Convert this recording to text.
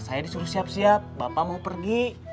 saya disuruh siap siap bapak mau pergi